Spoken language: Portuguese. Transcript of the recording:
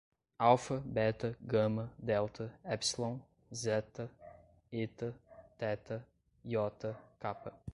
alfa, beta, gama, delta, épsilon, zeta, eta, teta, iota, capa